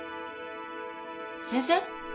先生？